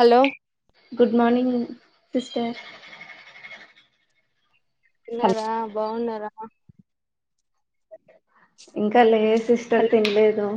Hello good morning sister తిన్నారా బాగున్నారా ఇంకా లే సిస్టర్ తినలేదు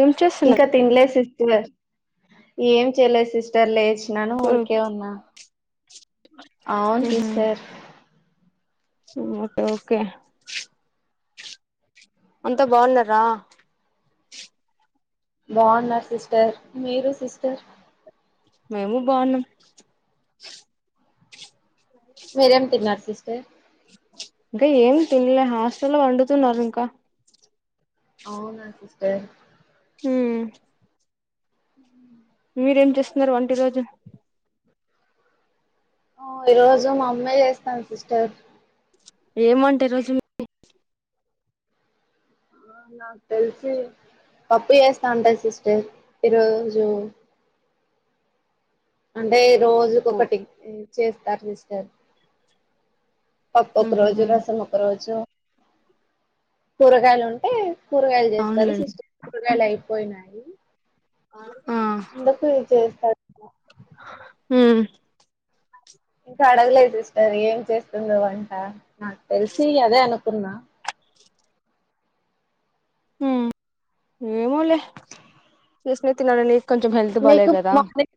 ఏం చేస్తున్నారు ఇంకా తినలేదు సిస్టర్ ఏం చేయలేదు సిస్టర్ లేచ్ నను ఊరికే ఉన్నా అవును సిస్టర్ ఒక్ ఓకే అంత బాగున్నారా బావున్నారు సిస్టర్ మీరు సిస్టర్? మేము బావున్నాం మీరేం తిన్నారు సిస్టర్? ఇంకా ఏం తినలే హాస్టల్లో వండుతున్నారు ఇంకా అవునా సిస్టర్ హ మీరేం చేస్తున్నారు వంట ఈరోజు? ఆ ఈ రోజు మా అమ్మయి చేస్తాను సిస్టర్ ఎం వంట ఈరోజు మీది? ఆ నాకు తెలిసి పప్పు వేస్తా ఉంటారు సిస్టర్ ఈరోజు అంటే రోజుకి పప్పు ఒకటి మ్ చేస్తారు సిస్టర్ పప్పు ఒక రోజు, రసం ఒక రోజు కూరగాయలు ఉంటే కూరగాయలు చేస్తారు అవునులేండి సిస్టర్స్ కూరగాయలు అయిపోయినాయి. ఆ అందుకు ఇ చేస్తాడు ఏమో హ ఇంకా అడగలేదు సిస్టర్ ఏం చేస్తుందో వంట నాకు తెలిసి అదే అనుకున్నా ఉ ఏమోలే నీస్ నే తిన నండి కొంచెం హెల్త్ మీకు బాలేదు కదా మార్నింగ్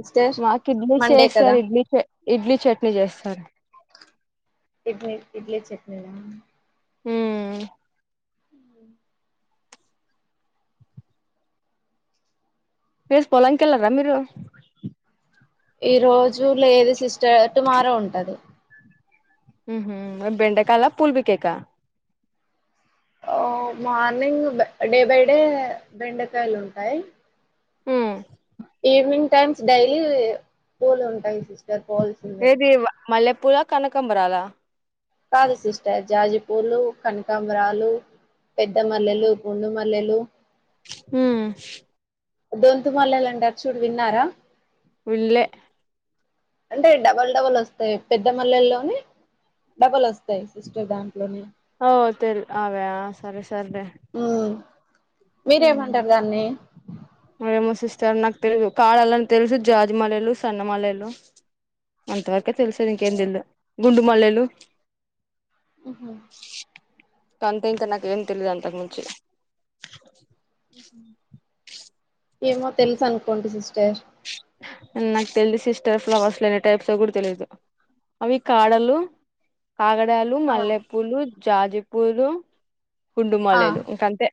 సిస్టర్ మాకు ఇడ్లీ మండే కదా చేస్తార్ ఇడ్లీ చే ఇడ్లీ చట్నీ చేస్తారు. ఇడ్లీ ఇడ్లీ చట్నీలా హ ఉ వేసుపోలాంకెళ్ళరా మీరు? ఈ రోజు లేదు సిస్టర్ టుమారో ఉంటది. ఉహు బెండకాల పూల్ బి కేకా ఓ మార్నింగ్ డే బై డే బెండకాయలు ఉంటాయి. ఈవినింగ్ టైమ్స్ డైలీ పూలు ఉంటాయి సి ఏది మల్లెపూలా, కనకంబరాల కాదు సిస్టర్ జాజిపూలు, కనకాంబరాలు పెద్ద మల్లెలు, గుండు మల్లెలు హ దొంతు మల్లలంటారు చూడు విన్నారా? వీళ్ళే అంటే డబల్ డబుల్ వస్తాయి పెద్ద మల్లెల్లోని డబల్ వస్తాయి సిస్టర్ దాంట్లోనే ఓ తెల్ అవే సరే సర్లే ఉ మీరేమంటారు దాన్ని? సర్ నాకు తెలుసు కాడాలని తెలుసు జాజిమల్లెలు, సన్నమల్లెలు అంతవర తెలిసేది ఇంకేం తెలదు గుండు మల్లెలు ఉహ తంతే ఇంకా నాకు ఏం తెలీదు అంతకు మించి ఏమో తెలుసు అనుకోంటి సిస్టర్ నాకు తెలిదు సిస్టర్ ఫ్లవర్స్ లో ఎన్ని టైప్స్ కూడా తెలిదు. అవి కాడలు కాగడాలు ఆ మల్లెపూలు జాజీపూలు ఆ గుండుమలెలు ఇంకంతే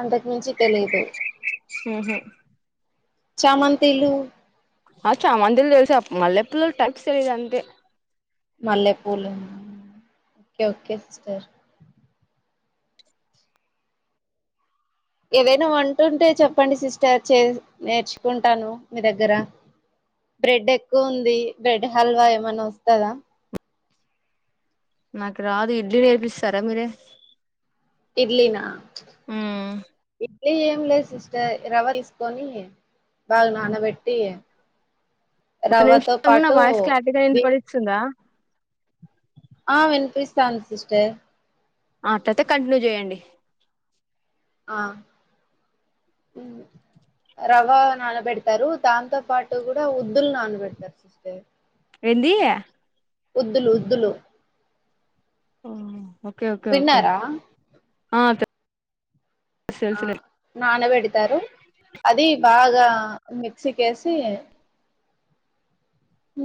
అంతకు మించి తెలీదు ఓహో చామంతంతిలు అ చా మందిలు తెలుసా మల్లె పల్లలు టైప్స్ తెలిద అంతే మల్లెపూలు ఓకే ఓకేర్ ఏవైనా వంటుంటే చెప్పండి సిస్టర్ చే నేర్చుకుంటాను మీ దగ్గర బ్రెడ్ ఎక్కువ ఉంది బ్రెడ్ హల్వా ఏమన్నా వస్తుందా నాకు రాదు ఇడ్లు నేర్పిస్తారా మీరే ఇడ్లిన్న ఉమ్ మళ్ళీ ఏం లేదు సిస్టర్ రవ తీసుకొని బాగా నానబెట్టి ఒక రవ్వతో నిమిషం నా పాటు వాయిస్ క్లారిటీగా వినపడిస్తుందా ఆ వినిపిస్తది సిస్టర్ ఆట్లయితే కంటిన్యూ చేయండి ఆ రావా నాన్న బెట్ తారు దాంతో పాటు కూడా వుద్దులు నానబెడతారు సిస్టర్ ఏంది వుద్దులు వుద్దులు ఓ ఓకే ఓకే ఓకే తెలుసు తెలుసులే [unintelligible] పెడతారు అది బాగా మిక్సీ కేేసి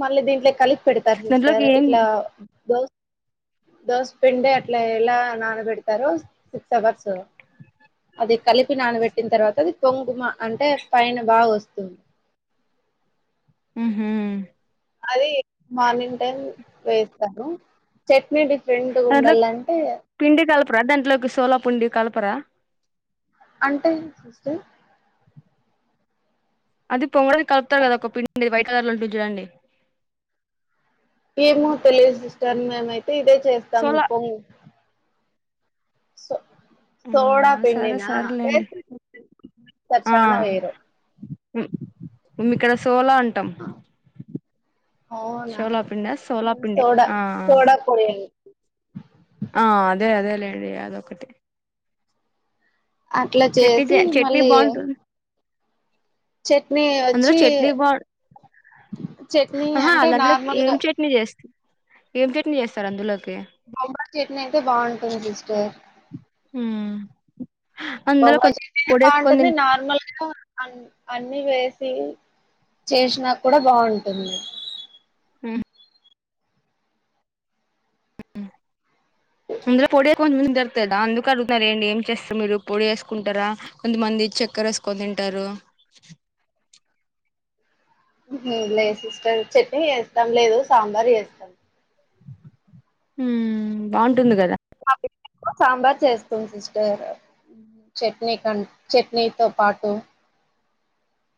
మళ్ళీ దీంట్లో కలిపి పెడతారు సిస్టర్ దాంట్లోకి ఏం ఇట్లా దోస పెండ్ అట్లా ఎలా నానబెడతారు సిక్స్ అవర్స్ అది కలిపి నానబెట్టిన తర్వాత అది పొంగుమ అంటే పైన బాగా వస్తుంది ఉమ్ అది మార్నింగ్ టైం వేస్తారును చట్నీ ర్రెండు ఉండాల అంటే ప్రదెంట్లోకి సోలాపుండి కలపరా అంటే సిస్టర్ అది పొంగడాది కలుపుతారు కదా ఒక పిండి వైట్ కలర్ లో ఉంటు చూడండి ఏమో తెలియదు సిస్టర్ మేమైతే ఇదే చేస్తాం సోలా పొంగ సో అవునా సోడా సరే పిండిన్న సరేలేండి తర్చానా వేరు మేం ఇక్కడ సోలా అంటాం అవునా సోలాపిండి మేము సోలాపిండి సోడా ఆ సోడా పొడి అని ఆ అదే అదే లేండి అదొకటి అట్లా చట్నీ చే చేసి చట్నీ మళ్ళీ బాగుంటుంది చట్నీ అందులో వచ్చి చట్నీ చట్నీ ఆహ అంటే దంట్లోకి ఏం నార్మల్గా చట్నీ చేస్త ఏం చట్నీ చేస్తారు అందులో బొంబాయి చెట్ని అయితే బావుంటుంది సిస్టర్ అందులో కొంచెం బొంబయి పొడేసుకొని బావుంటుంది నార్మల్ గా అ అన్ని వేసి చేసినా కూడా బాగుంటుంది ఉమ్ అ అందులో పొడి కొంచంది జరుతుదా అందుకు అడుగుతున్నండి ఏం చేస్తారు మీరు పొడి వేసుకుంటారా కొంతమంది చె క్కర వేసుకొని తింటారు. ఉ లేదు సిస్టర్ చట్నీ చేస్తాం లేదు సాంబార్ చేస్తాం. హ బావుంటుంది కదా సాంబార్ చేస్తాం సిస్టర్ చట్నీ కన్ చట్నీతో పాటు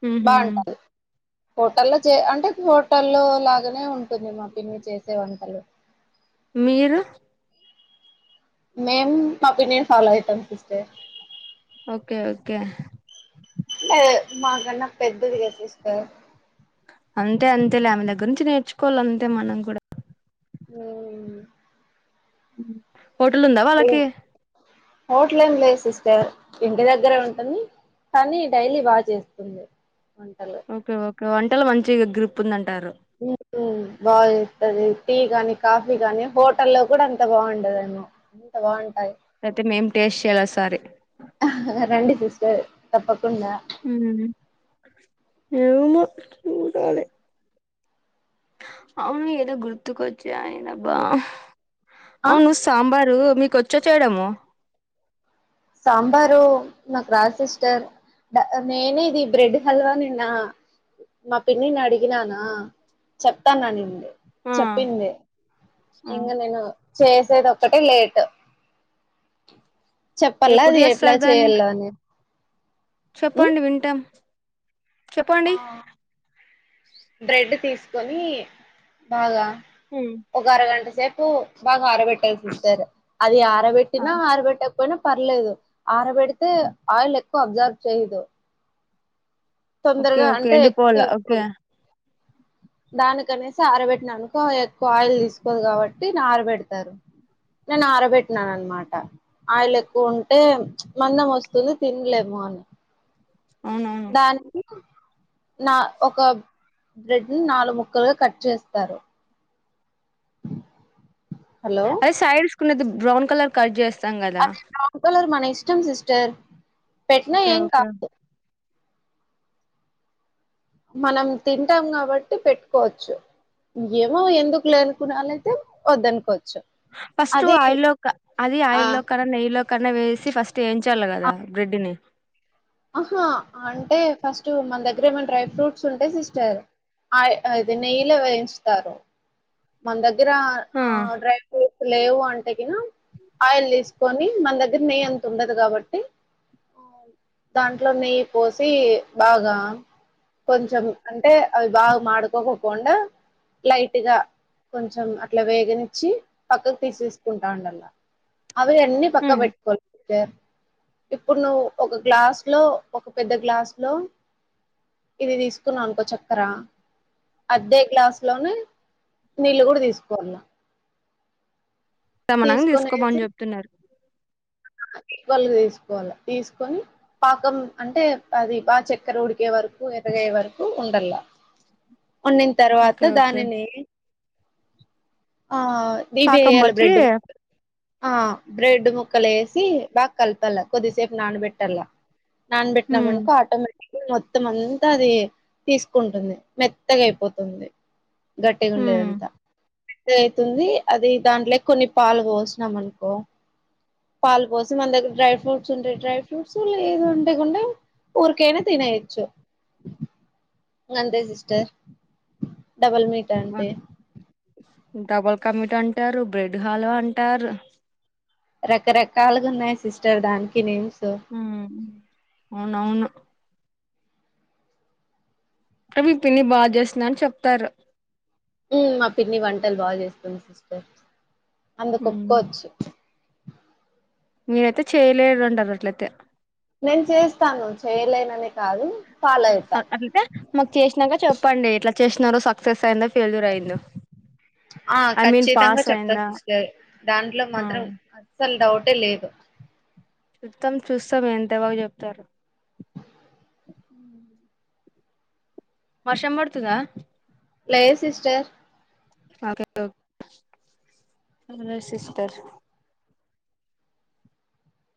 ఆహ బాగుంటది హోటల్లో చే అంటే హోటల్లో లాగానే ఉంటుంది మా పిన్ని చేసే వంటలు. మీరు? మేమ్ మా ఒపీనియన్ ఫాలో అయితాం సిస్టర్ ఓకే ఓకే ఏ మాకన్నా పెద్దదిగా సిస్టర్ అంతే అంతే లే ఆమె దగ్గరంచి నేర్చుకోవాలి అంతే మనం కూడా ఉ హోటల్ ఉందా వాళ్ళకి? హోటల్ ఏమి లేదు సిస్టర్ ఇంటి దగ్గరే ఉంటుంది. కానీ డైలీ బాగా చేస్తుంది. వంటలు ఓకే ఓకే వంటలు మంచిగా గ్రిప్ ఉందం ఉహు బా ఎత్తది టీ గాని, కాఫీ గాని హోటల్ల్లో కూడా అంత బావుండదేమో అంత బావుంట అయితే మేం టేస్ట్ చేయాలిసారి రండి సిస్టర్ తప్ప ఉ ఏమొ చూడాలి. అవును ఏదో గుర్తుకొచ్చా ఆయనబ్బా ఆ అవును సాంబారు మీకుచ్చా చేయడము? సాంబారు నాకు రాదు సిస్టర్ ద నేనే ఇది బ్రెడ్ హల్వా నిన్న మా పిన్నిని అడిగినానా చెప్తాన్నానింది ఆ చెప్పింది ఆ ఇంగ నేను చేసేది ఒ కటి లేట్ చెప్పాల ఎప్పుడు అది ఎట్లా చేస్తారు దాన్ని చేయలో అని చెప్పండి వింటాం చెప్పండి ఆ బ్రెడ్ తీసుకొని బాగా ఉమ్ ఒక అరగంట సేపు బాగా ఆరబెట్టాలి సిస్టర్ అది ఆ ఆ రబట్టినా ఆరబెట్టవ్ పోయినా పర్లేదు ఆరబెడితే ఆయిల్ ఎక్కువ అబ్జార్బ్ చేయదు. ఓకే తొందరగా ఓకే అంటే ఏండి ఎక్కువ పోల ఓకే తీసుకోదు దానికనేసి ఆరబెట్టిననుకో ఎక్కువ ఆయిల్ తీసుకోదు కాబట్టి ఆరబెడతారు. నేను ఆరబెట్టినాన అనమాట ఆయిలు ఎక్కువ ఉంటే మందం వస్తుంది తినలేము. మన్ అవునవును దానికి నా ఒక బ్రెడ్ ని నాలుగు ముక్కలుగా కట్ చేస్తారు. హలో అదే సైడ్స్కునేది బ్రౌన్ కలర్ కట్ చేస్త అదే బ్రౌన్ కలర్ మన ఇష్టం సిస్టర్ పెట్టినా ఓకే ఏం ఓకే కాదు. మనం తింటాం కాబట్టి పెట్టుకోవచ్చు. ఏమో ఎందుకు లేనుకున్నాల అయితే వద్దనుకోద్ ఫస్ట్ ఆయిల్లో అది ఆ! ఆయిల్లో కన్నా నెయ్యిలో కన్నా వేసి ఫస్ట్ వేంచాలి అ కదా బ్రెడ్ని అహా అంటే ఫస్ట్ మన దగ్గర ఏమైనా డ్రై ఫ్రూట్స్ ఉంటే సిస్టర్ అయిది నెయ్యిలో వేయించుతారు మన దగ్గర ఆ అ డ్రై ఫ్రూట్ లేవు అంటేకినా ఆయిల్ తీసుకొని మన దగ్గర నెయ్యి అంత ఉండదు కాబట్టి దాంట్లో నెయ్యి పోసి బాగా కొంచెం అంటే అవి బాగా మాడుకోకుండా లైట్గా కొంచెం అట్ల వేగనిచ్చి పక్కకు తీసేసుకుంటా ఉండల్లా అవి అన్నీ పక్క హ్మ్. పెట్టుకోల్ ఇప్పుడు నువ్వు ఒక గ్లాస్ లో ఒక పెద్ద గ్లాస్ లో ఇది తీసుకున్నానుకో చక్కర అద్దే గ్లాసులోనే నీళ్ళు కూడా తీసుకోవల్ల సమానం తీసుకోమన్ చెప్తున్నారు ఈక్వల్ గా తీసుకోవల్ల తీసుకొని పాకం అంటే అది బ చక్కెర ఉడికే వర ఎర్రగయ్యే వరకు ఉండల్లా వండిన తర్వాత ఓకే ఓకే దానిని ఆ దీవి పాకం వేయ్యాల బట్టి బ్రెడ్ హా బ్రెడ్ ము ముక్కలేసి బా కలపాల కొద్దిసేపు నానబెట్టల్ల ఉమ్ నానబెట్నామనుకో ఆటోమేటి మొత్తం అంతా అది తీసుకుంటుంది మెత్తగా అయిపోతుంది గట్టిగ హ్మ్. ఉండేదంతా అయితుంది అది దాంట్లేకి కొన్ని పాలు పోస్నాం అనుకో పాలు పోసి మన దగ్గర డ్రై ఫ్రూట్స్ ఉంటే డ్రై ఫ్రూట్స్ లేది అంటేకుం ఊరికే అయినా తినేయచ్చు ఇంగ అంతే సిస్టర్ డబల్ మీట అంటే డబుల్ కమీట అంటారు బ్రెడ్ హల్వ అంటారు రకరకాలుగా ఉన్నాయి సిస్టర్ దానికి నేమ్స్ హ అవును అవును అంటే మీ పిన్ని బా జేషిన చెప్తారు ఉ మా పిన్ని వంటలు బాగ చేస్తుంది సిస్టర్ అందుకు హ్మ్. ఒప్పుకోవచ్చు మీరైతే చేయలేదు అంటారు అట్లయితే నేను చేస్తాను చేయలేనని కాదు ఫాలో అయితా అట్లైతే మాకు చేసినంక చెప్పండి ఎట్లా చేసినారో సక్సెస్ అఇందో నలూరు ఐదులు ఆ ఖచ్చితంగా చెప్తారు సిస్టర్ దాంట్లో ఆ మాత్రం అస్సల్ డౌటే లేదు చూస్తాం చూస్తాం ఎంత బాగు చెప్తారు వర్షం పడుతుందా లేదు సిస్టర్ ఓకే సిస్టర్